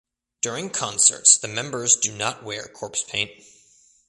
During concerts the members do not wear corpse paint.